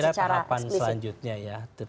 jadi itu saya kira tahapan selanjutnya ya